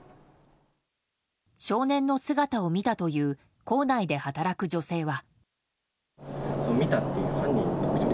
少年の姿を見たという校内で働く女性は。